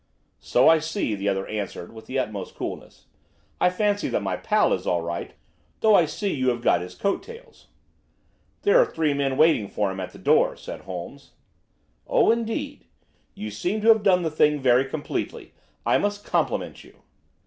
"So I see," the other answered with the utmost coolness. "I fancy that my pal is all right, though I see you have got his coat tails." "There are three men waiting for him at the door," said Holmes. "Oh, indeed! You seem to have done the thing very completely. I must compliment you."